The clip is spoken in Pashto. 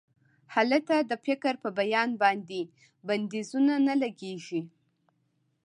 هلته د فکر په بیان باندې بندیزونه نه لګیږي.